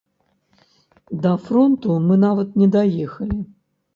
Да фронту мы нават не даехалі.